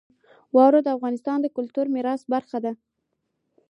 واوره د افغانستان د کلتوري میراث برخه ده.